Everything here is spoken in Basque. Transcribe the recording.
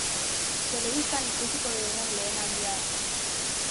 Telebistan ikusiko dugun lehen aldia da.